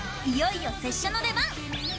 いよいよ拙者の出番！